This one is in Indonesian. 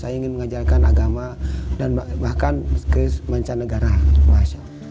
saya ingin mengajarkan agama dan bahkan kemanca negara